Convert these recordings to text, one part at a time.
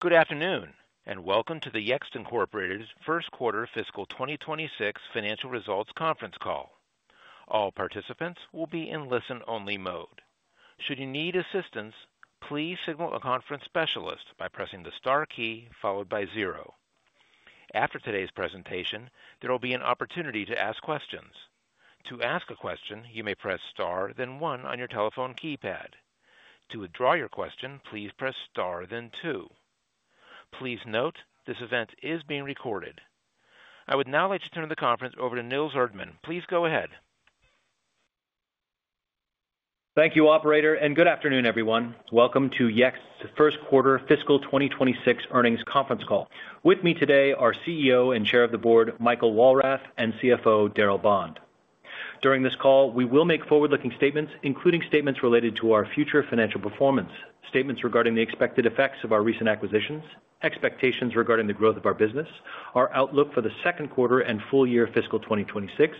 Good afternoon, and Welcome to Yext's first quarter fiscal 2026 Financial Results Conference Call. All participants will be in listen-only mode. Should you need assistance, please signal a conference specialist by pressing the star key followed by zero. After today's presentation, there will be an opportunity to ask questions. To ask a question, you may press star, then one on your telephone keypad. To withdraw your question, please press star, then two. Please note this event is being recorded. I would now like to turn the conference over to Nils Erdman. Please go ahead. Thank you, Operator, and good afternoon, everyone. Welcome to Yext's First Quarter Fiscal 2026 Earnings Conference Call. With me today are CEO and Chair of the Board, Michael Walrath, and CFO, Darryl Bond. During this call, we will make forward-looking statements, including statements related to our future financial performance, statements regarding the expected effects of our recent acquisitions, expectations regarding the growth of our business, our outlook for the second quarter and full year fiscal 2026,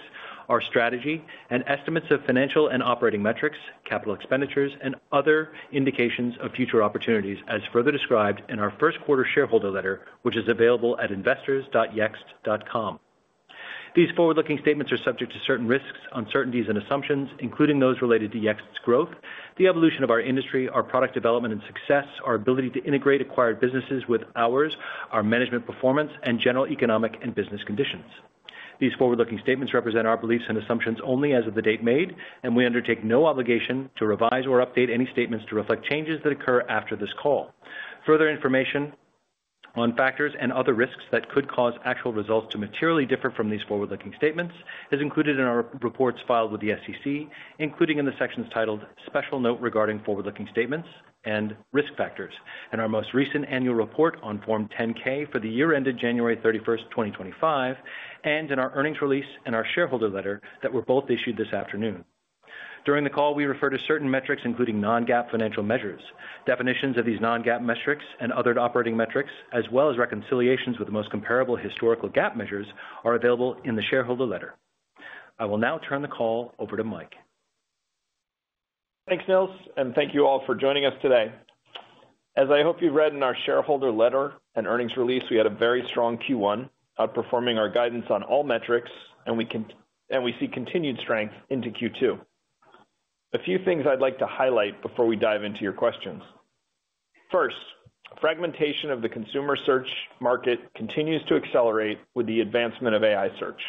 our strategy, and estimates of financial and operating metrics, capital expenditures, and other indications of future opportunities, as further described in our first quarter shareholder letter, which is available at investors.yext.com. These forward-looking statements are subject to certain risks, uncertainties, and assumptions, including those related to Yext's growth, the evolution of our industry, our product development and success, our ability to integrate acquired businesses with ours, our management performance, and general economic and business conditions. These forward-looking statements represent our beliefs and assumptions only as of the date made, and we undertake no obligation to revise or update any statements to reflect changes that occur after this call. Further information on factors and other risks that could cause actual results to materially differ from these forward-looking statements is included in our reports filed with the SEC, including in the sections titled Special Note Regarding Forward-Looking Statements and Risk Factors, in our most recent annual report on Form 10-K for the year ended January 31, 2025, and in our earnings release and our shareholder letter that were both issued this afternoon. During the call, we refer to certain metrics, including non-GAAP financial measures. Definitions of these non-GAAP metrics and other operating metrics, as well as reconciliations with the most comparable historical GAAP measures, are available in the shareholder letter. I will now turn the call over to Mike. Thanks, Nils, and thank you all for joining us today. As I hope you've read in our shareholder letter and earnings release, we had a very strong Q1, outperforming our guidance on all metrics, and we see continued strength into Q2. A few things I'd like to highlight before we dive into your questions. First, fragmentation of the consumer search market continues to accelerate with the advancement of AI search.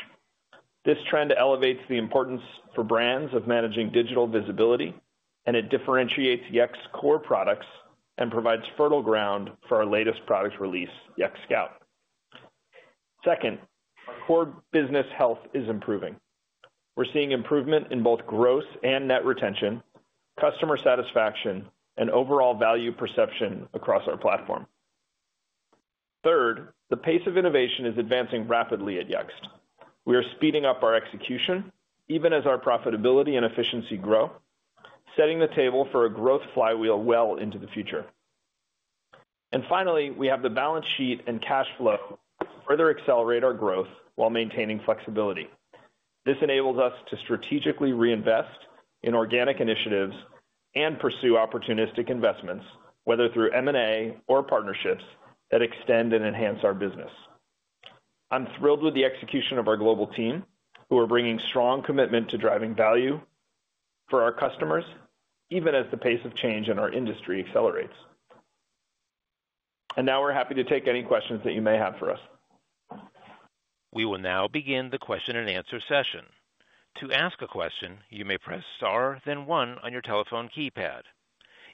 This trend elevates the importance for brands of managing digital visibility, and it differentiates Yext's core products and provides fertile ground for our latest product release, Yext Scout. Second, our core business health is improving. We're seeing improvement in both gross and net retention, customer satisfaction, and overall value perception across our platform. Third, the pace of innovation is advancing rapidly at Yext. We are speeding up our execution, even as our profitability and efficiency grow, setting the table for a growth flywheel well into the future. Finally, we have the balance sheet and cash flow to further accelerate our growth while maintaining flexibility. This enables us to strategically reinvest in organic initiatives and pursue opportunistic investments, whether through M&A or partnerships that extend and enhance our business. I'm thrilled with the execution of our global team, who are bringing strong commitment to driving value for our customers, even as the pace of change in our industry accelerates. Now we're happy to take any questions that you may have for us. We will now begin the question-and-answer session. To ask a question, you may press star, then one on your telephone keypad.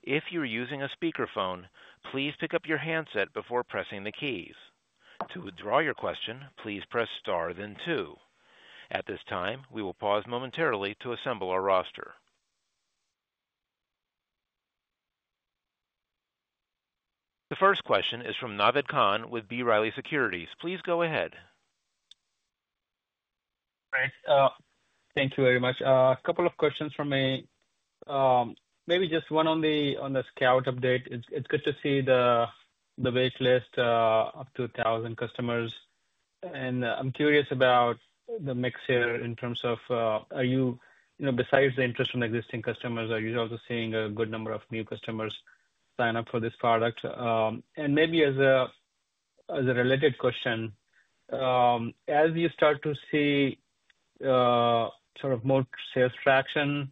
If you're using a speakerphone, please pick up your handset before pressing the keys. To withdraw your question, please press star, then two. At this time, we will pause momentarily to assemble our roster. The first question is from Naved Khan with B. Riley Securities. Please go ahead. Right. Thank you very much. A couple of questions for me. Maybe just one on the Scout update. It's good to see the waitlist up to 1,000 customers. I'm curious about the mix here in terms of, besides the interest from existing customers, are you also seeing a good number of new customers sign up for this product? Maybe as a related question, as you start to see sort of more sales traction,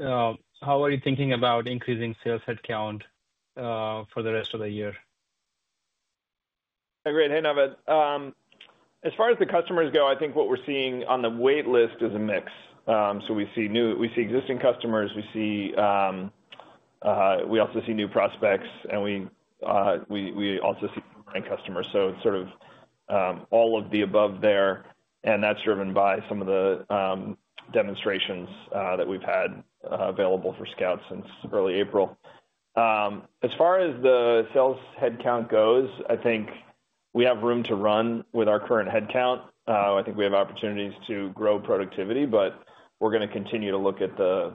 how are you thinking about increasing sales headcount for the rest of the year? Great. Hey, Navid. As far as the customers go, I think what we're seeing on the waitlist is a mix. We see existing customers, we also see new prospects, and we also see end customers. It is sort of all of the above there, and that is driven by some of the demonstrations that we have had available for Scout since early April. As far as the sales headcount goes, I think we have room to run with our current headcount. I think we have opportunities to grow productivity, but we are going to continue to look at the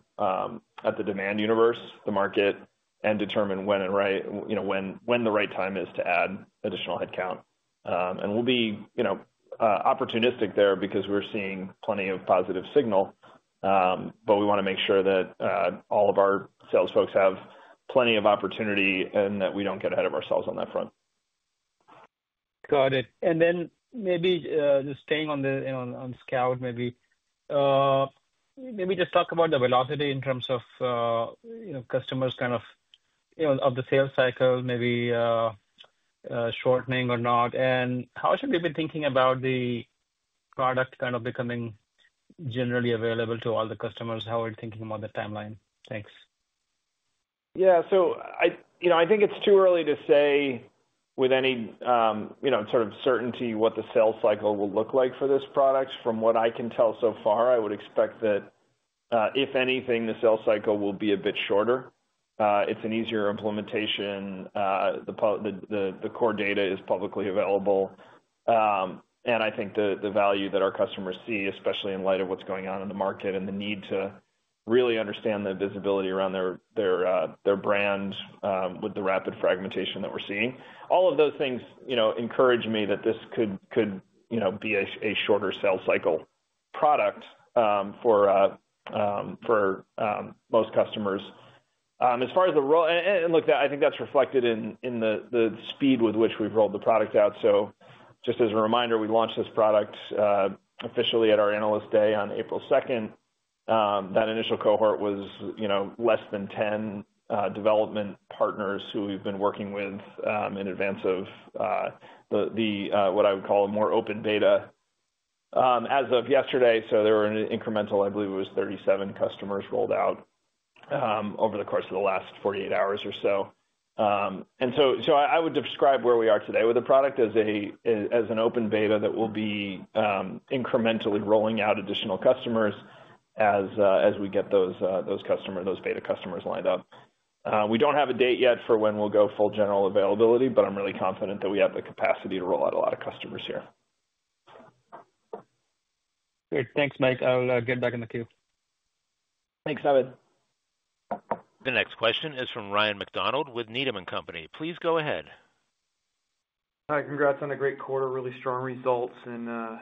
demand universe, the market, and determine when the right time is to add additional headcount. We'll be opportunistic there because we're seeing plenty of positive signal, but we want to make sure that all of our sales folks have plenty of opportunity and that we don't get ahead of ourselves on that front. Got it. Maybe just staying on Scout, maybe just talk about the velocity in terms of customers, kind of the sales cycle, maybe shortening or not. How should we be thinking about the product kind of becoming generally available to all the customers? How are you thinking about the timeline? Thanks. Yeah. I think it's too early to say with any sort of certainty what the sales cycle will look like for this product. From what I can tell so far, I would expect that, if anything, the sales cycle will be a bit shorter. It's an easier implementation. The core data is publicly available. I think the value that our customers see, especially in light of what's going on in the market and the need to really understand the visibility around their brand with the rapid fragmentation that we're seeing, all of those things encourage me that this could be a shorter sales cycle product for most customers. As far as the role, I think that's reflected in the speed with which we've rolled the product out. Just as a reminder, we launched this product officially at our analyst day on April 2nd. That initial cohort was less than 10 development partners who we've been working with in advance of what I would call a more open beta as of yesterday. There were an incremental, I believe it was 37 customers rolled out over the course of the last 48 hours or so. I would describe where we are today with the product as an open beta that will be incrementally rolling out additional customers as we get those beta customers lined up. We do not have a date yet for when we will go full general availability, but I am really confident that we have the capacity to roll out a lot of customers here. Great. Thanks, Mike. I'll get back in the queue. Thanks, Navid. The next question is from Ryan MacDonald with Needham & Company. Please go ahead. Hi. Congrats on a great quarter, really strong results, and a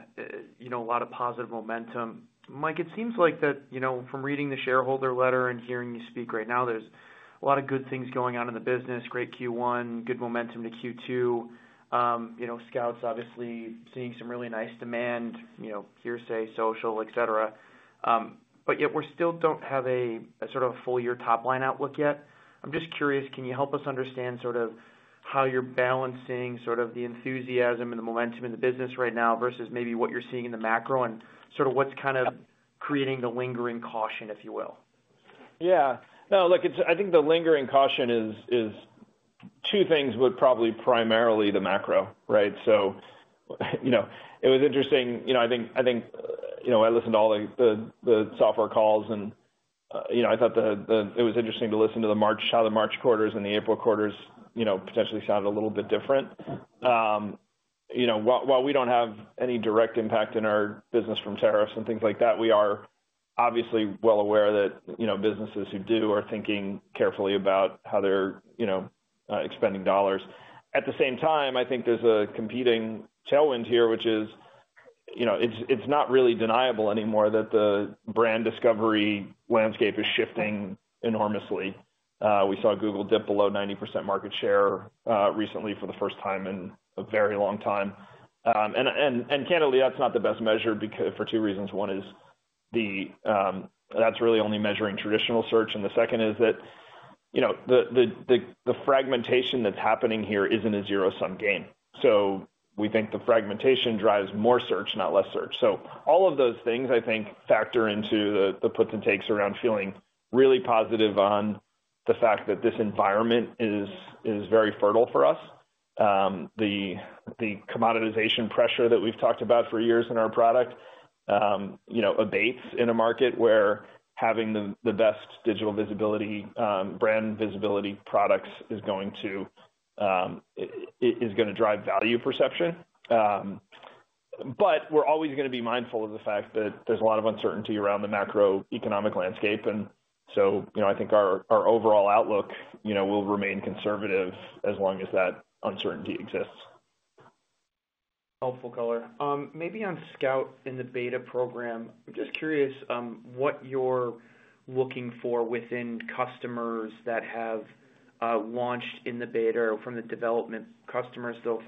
lot of positive momentum. Mike, it seems like that from reading the shareholder letter and hearing you speak right now, there is a lot of good things going on in the business, great Q1, good momentum to Q2. Scout is obviously seeing some really nice demand, Hearsay, Social, etc. Yet we still do not have sort of a full year top line outlook yet. I am just curious, can you help us understand sort of how you are balancing sort of the enthusiasm and the momentum in the business right now versus maybe what you are seeing in the macro and sort of what is kind of creating the lingering caution, if you will? Yeah. No, look, I think the lingering caution is two things would probably primarily the macro, right. It was interesting. I think I listened to all the software calls, and I thought it was interesting to listen to how the March quarters and the April quarters potentially sound a little bit different. While we do not have any direct impact in our business from tariffs and things like that, we are obviously well aware that businesses who do are thinking carefully about how they are expending dollars. At the same time, I think there is a competing tailwind here, which is it is not really deniable anymore that the brand discovery landscape is shifting enormously. We saw Google dip below 90% market share recently for the first time in a very long time. Candidly, that is not the best measure for two reasons. One is that's really only measuring traditional search, and the second is that the fragmentation that's happening here isn't a zero-sum game. We think the fragmentation drives more search, not less search. All of those things, I think, factor into the puts and takes around feeling really positive on the fact that this environment is very fertile for us. The commoditization pressure that we've talked about for years in our product abates in a market where having the best digital visibility, brand visibility products is going to drive value perception. We're always going to be mindful of the fact that there's a lot of uncertainty around the macroeconomic landscape. I think our overall outlook will remain conservative as long as that uncertainty exists. Helpful, color. Maybe on Scout in the beta program, I'm just curious what you're looking for within customers that have launched in the beta or from the development customers thus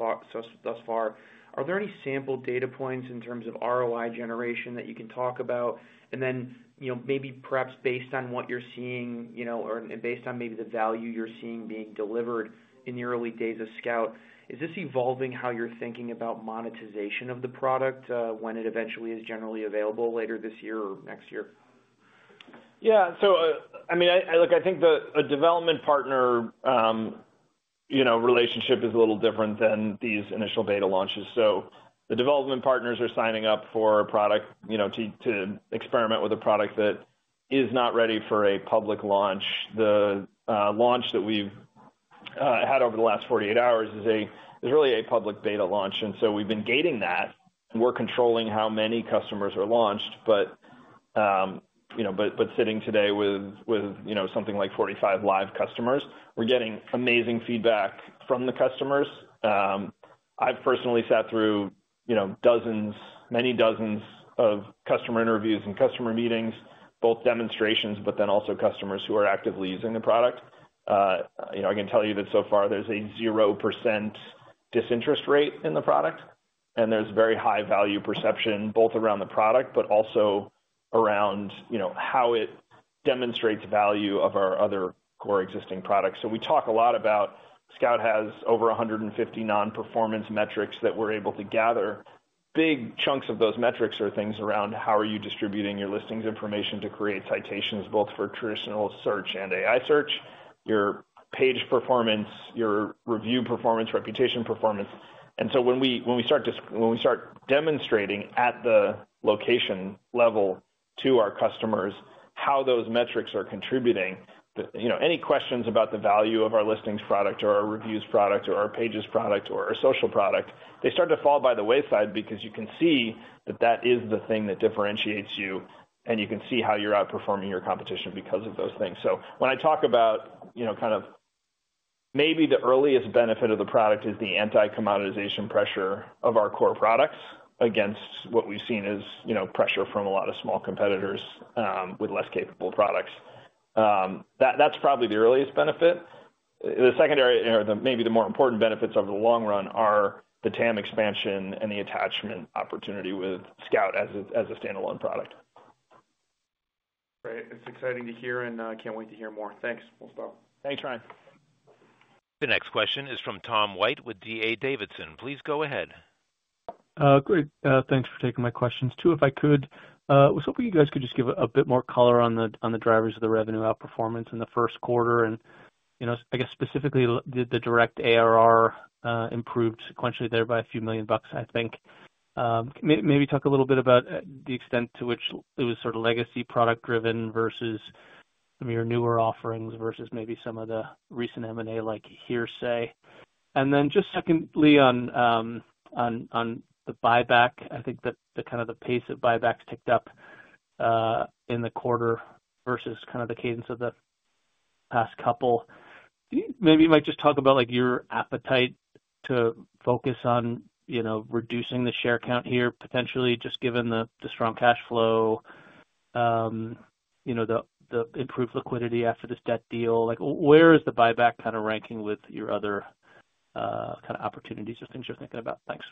far. Are there any sample data points in terms of ROI generation that you can talk about? Maybe perhaps based on what you're seeing or based on maybe the value you're seeing being delivered in the early days of Scout, is this evolving how you're thinking about monetization of the product when it eventually is generally available later this year or next year? Yeah. So I mean, look, I think a development partner relationship is a little different than these initial beta launches. The development partners are signing up for a product to experiment with a product that is not ready for a public launch. The launch that we've had over the last 48 hours is really a public beta launch. We have been gating that, and we're controlling how many customers are launched. Sitting today with something like 45 live customers, we're getting amazing feedback from the customers. I've personally sat through many dozens of customer interviews and customer meetings, both demonstrations, but then also customers who are actively using the product. I can tell you that so far there's a 0% disinterest rate in the product, and there's very high value perception both around the product, but also around how it demonstrates value of our other core existing products. We talk a lot about Scout has over 150 non-performance metrics that we're able to gather. Big chunks of those metrics are things around how are you distributing your listings information to create citations both for traditional search and AI search, your page performance, your review performance, reputation performance. When we start demonstrating at the location level to our customers how those metrics are contributing, any questions about the value of our Listings product or our Reviews product or our Pages product or our Social product start to fall by the wayside because you can see that that is the thing that differentiates you, and you can see how you are outperforming your competition because of those things. When I talk about kind of maybe the earliest benefit of the product, it is the anti-commoditization pressure of our core products against what we have seen is pressure from a lot of small competitors with less capable products. That is probably the earliest benefit. The secondary, or maybe the more important benefits over the long run, are the TAM expansion and the attachment opportunity with Scout as a standalone product. Great. It's exciting to hear and can't wait to hear more. Thanks. We'll stop. Thanks, Ryan. The next question is from Tom White with D.A. Davidson. Please go ahead. Great. Thanks for taking my questions. Two, if I could, I was hoping you guys could just give a bit more color on the drivers of the revenue outperformance in the first quarter. I guess specifically, the direct ARR improved sequentially there by a few million bucks, I think. Maybe talk a little bit about the extent to which it was sort of legacy product-driven versus some of your newer offerings versus maybe some of the recent M&A like Hearsay. Just secondly on the buyback, I think that kind of the pace of buybacks ticked up in the quarter versus kind of the cadence of the past couple. Maybe you might just talk about your appetite to focus on reducing the share count here potentially just given the strong cash flow, the improved liquidity after this debt deal. Where is the buyback kind of ranking with your other kind of opportunities or things you're thinking about? Thanks.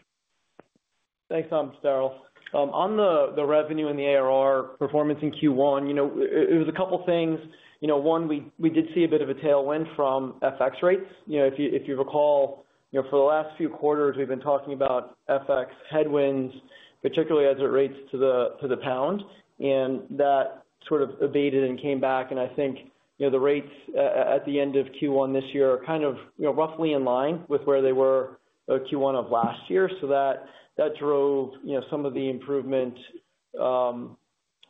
Thanks, Tom, Darryl. On the revenue and the ARR performance in Q1, it was a couple of things. One, we did see a bit of a tailwind from FX rates. If you recall, for the last few quarters, we've been talking about FX headwinds, particularly as it relates to the pound, and that sort of abated and came back. I think the rates at the end of Q1 this year are kind of roughly in line with where they were Q1 of last year. That drove some of the improvement on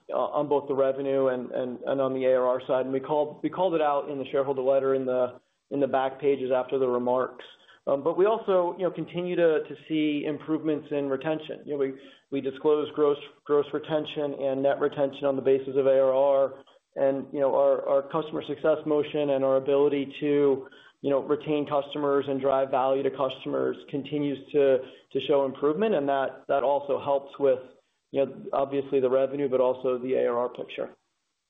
both the revenue and on the ARR side. We called it out in the shareholder letter in the back pages after the remarks. We also continue to see improvements in retention. We disclosed gross retention and net retention on the basis of ARR. Our customer success motion and our ability to retain customers and drive value to customers continues to show improvement. That also helps with, obviously, the revenue, but also the ARR picture.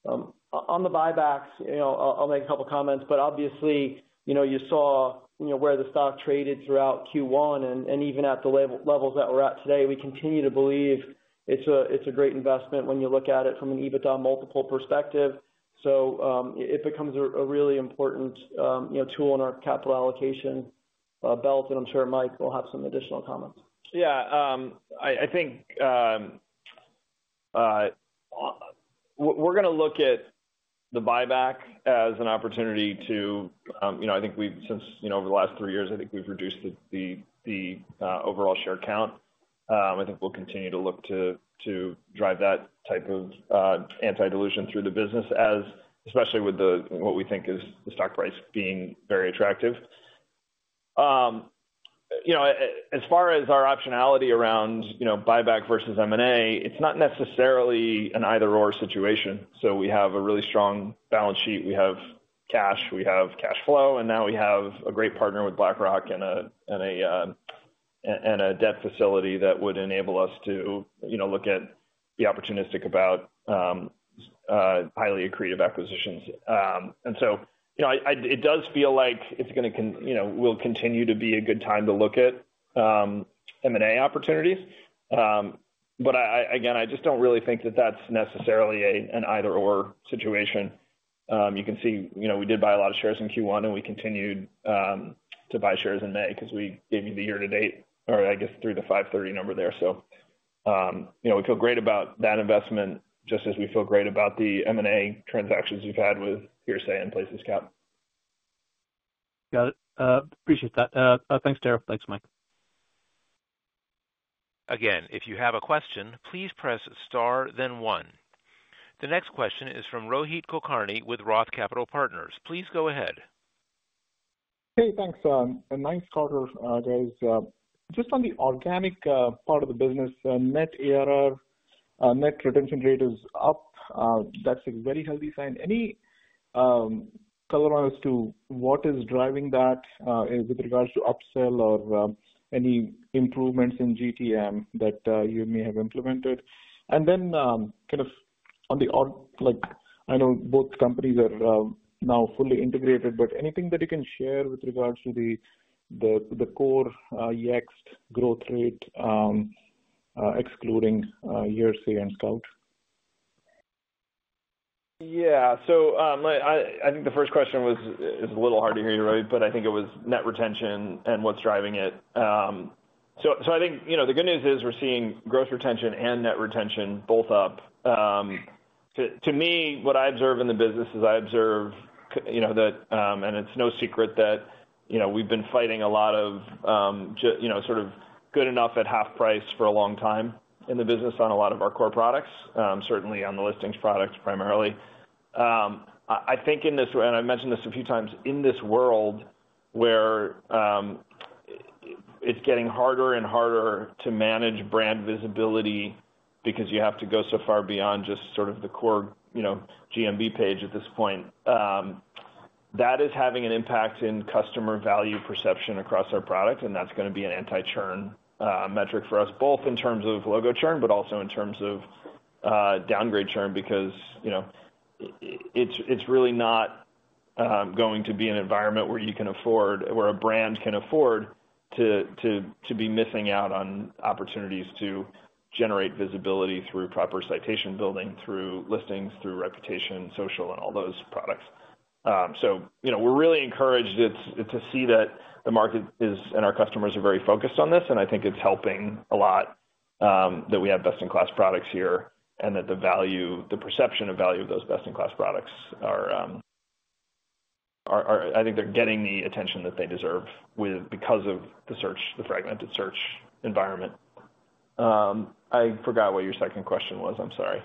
On the buybacks, I'll make a couple of comments, but obviously, you saw where the stock traded throughout Q1 and even at the levels that we're at today. We continue to believe it's a great investment when you look at it from an EBITDA multiple perspective. It becomes a really important tool in our capital allocation belt. I'm sure Mike will have some additional comments. Yeah. I think we're going to look at the buyback as an opportunity to, I think since over the last three years, I think we've reduced the overall share count. I think we'll continue to look to drive that type of anti-dilution through the business, especially with what we think is the stock price being very attractive. As far as our optionality around buyback versus M&A, it's not necessarily an either/or situation. We have a really strong balance sheet. We have cash. We have cash flow. Now we have a great partner with BlackRock and a debt facility that would enable us to look at the opportunistic about highly accretive acquisitions. It does feel like it's going to continue to be a good time to look at M&A opportunities. Again, I just don't really think that that's necessarily an either/or situation. You can see we did buy a lot of shares in Q1, and we continued to buy shares in May because we gave you the year-to-date or I guess through the 5/30 number there. We feel great about that investment just as we feel great about the M&A transactions we've had with Hearsay and Yext Scout. Got it. Appreciate that. Thanks, Darryl. Thanks, Mike. Again, if you have a question, please press star, then one. The next question is from Rohit Kulkarni with ROTH Capital Partners. Please go ahead. Hey, thanks. Nice call, guys. Just on the organic part of the business, net ARR, net retention rate is up. That is a very healthy sign. Any color as to what is driving that with regards to upsell or any improvements in GTM that you may have implemented? I know both companies are now fully integrated, but anything that you can share with regards to the core Yext growth rate, excluding Hearsay and Scout? Yeah. I think the first question was a little hard to hear you right, but I think it was net retention and what's driving it. I think the good news is we're seeing gross retention and net retention both up. To me, what I observe in the business is I observe that, and it's no secret that we've been fighting a lot of sort of good enough at half price for a long time in the business on a lot of our core products, certainly on the listings products primarily. I think in this, and I've mentioned this a few times, in this world where it's getting harder and harder to manage brand visibility because you have to go so far beyond just sort of the core GMB page at this point, that is having an impact in customer value perception across our product. That is going to be an anti-churn metric for us, both in terms of logo churn, but also in terms of downgrade churn because it is really not going to be an environment where you can afford, where a brand can afford to be missing out on opportunities to generate visibility through proper citation building, through listings, through reputation, social, and all those products. We are really encouraged to see that the market and our customers are very focused on this. I think it is helping a lot that we have best-in-class products here and that the perception of value of those best-in-class products is, I think, they are getting the attention that they deserve because of the fragmented search environment. I forgot what your second question was. I am sorry.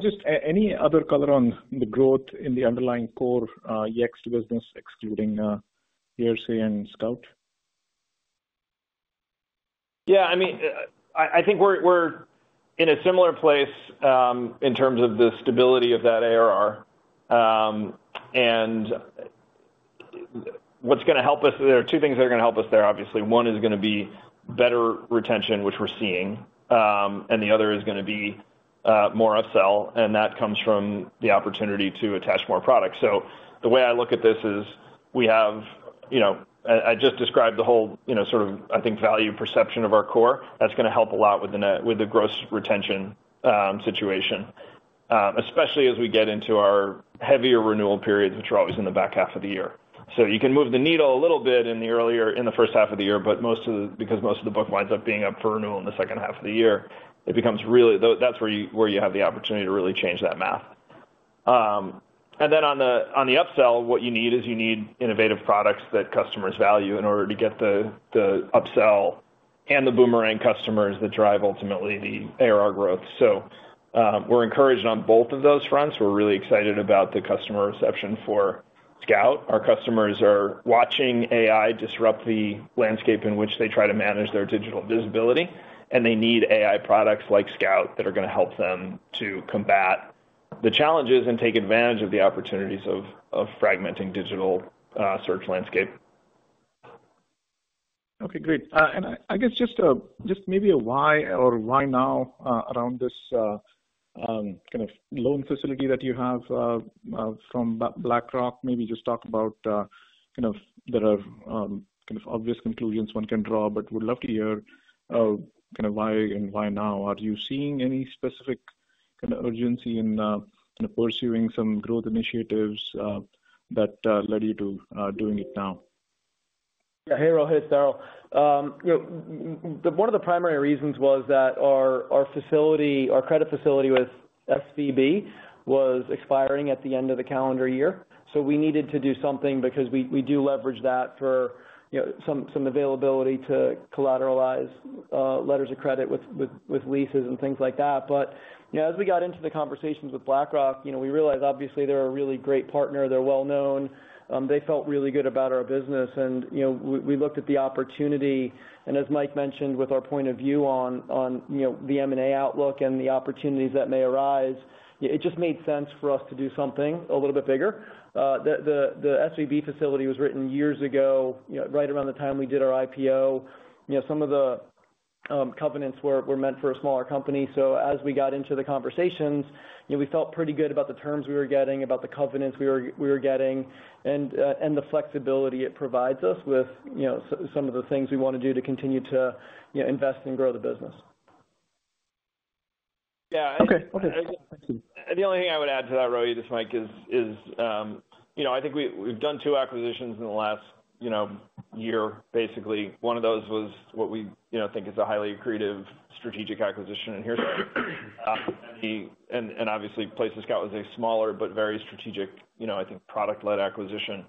Just any other color on the growth in the underlying core Yext business, excluding Hearsay and Scout? Yeah. I mean, I think we're in a similar place in terms of the stability of that ARR. What's going to help us, there are two things that are going to help us there, obviously. One is going to be better retention, which we're seeing. The other is going to be more upsell. That comes from the opportunity to attach more products. The way I look at this is we have, I just described the whole sort of, I think, value perception of our core. That's going to help a lot with the gross retention situation, especially as we get into our heavier renewal periods, which are always in the back half of the year. You can move the needle a little bit earlier in the first half of the year, but because most of the book winds up being up for renewal in the second half of the year, it becomes really, that's where you have the opportunity to really change that math. On the upsell, what you need is you need innovative products that customers value in order to get the upsell and the boomerang customers that drive ultimately the ARR growth. We are encouraged on both of those fronts. We are really excited about the customer reception for Scout. Our customers are watching AI disrupt the landscape in which they try to manage their digital visibility, and they need AI products like Scout that are going to help them to combat the challenges and take advantage of the opportunities of fragmenting digital search landscape. Okay. Great. I guess just maybe a why or why now around this kind of loan facility that you have from BlackRock. Maybe just talk about kind of, there are kind of obvious conclusions one can draw, but would love to hear kind of why and why now. Are you seeing any specific kind of urgency in pursuing some growth initiatives that led you to doing it now? Yeah. Hey, Rohit, Darryl. One of the primary reasons was that our credit facility with SVB was expiring at the end of the calendar year. We needed to do something because we do leverage that for some availability to collateralize letters of credit with leases and things like that. As we got into the conversations with BlackRock, we realized, obviously, they're a really great partner. They're well-known. They felt really good about our business. We looked at the opportunity. As Mike mentioned, with our point of view on the M&A outlook and the opportunities that may arise, it just made sense for us to do something a little bit bigger. The SVB facility was written years ago, right around the time we did our IPO. Some of the covenants were meant for a smaller company. As we got into the conversations, we felt pretty good about the terms we were getting, about the covenants we were getting, and the flexibility it provides us with some of the things we want to do to continue to invest and grow the business. Yeah. Okay. Thank you. The only thing I would add to that, Rohit, is, Mike, is I think we've done two acquisitions in the last year, basically. One of those was what we think is a highly accretive strategic acquisition in Hearsay. Obviously, Place to Scout was a smaller but very strategic, I think, product-led acquisition.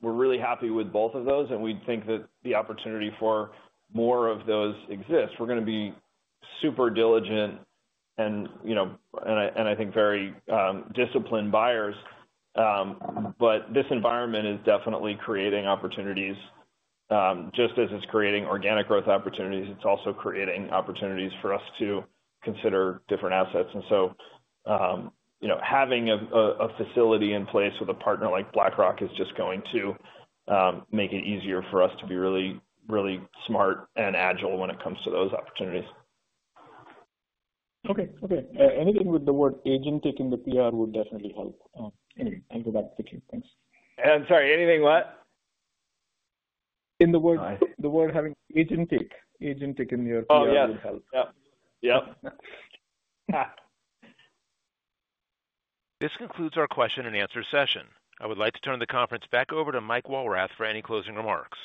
We're really happy with both of those. We'd think that the opportunity for more of those exists. We're going to be super diligent and, I think, very disciplined buyers. This environment is definitely creating opportunities. Just as it's creating organic growth opportunities, it's also creating opportunities for us to consider different assets. Having a facility in place with a partner like BlackRock is just going to make it easier for us to be really, really smart and agile when it comes to those opportunities. Okay. Okay. Anything with the word agentic in the PR would definitely help. Anyway, I'll go back to the team. Thanks. I'm sorry. Anything what? In the word. Sorry. The word having agentic. Agentic in your PR would help. Oh, yeah. Yep. This concludes our question and answer session. I would like to turn the conference back over to Mike Walrath for any closing remarks.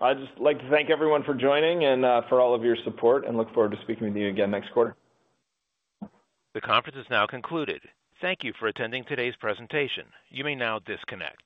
I'd just like to thank everyone for joining and for all of your support and look forward to speaking with you again next quarter. The conference is now concluded. Thank you for attending today's presentation. You may now disconnect.